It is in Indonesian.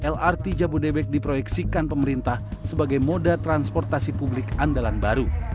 lrt jabodebek diproyeksikan pemerintah sebagai moda transportasi publik andalan baru